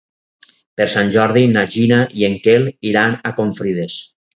Per Sant Jordi na Gina i en Quel iran a Confrides.